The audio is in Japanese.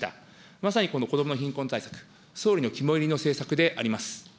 まさにこの子どもの貧困対策、総理の肝いりの政策であります。